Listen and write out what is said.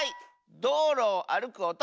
どうろをあるくおと！